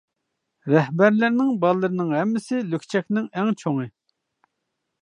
رەھبەرلەرنىڭ باللىرىنىڭ ھەممىسى لۈكچەكنىڭ ئەڭ چوڭى.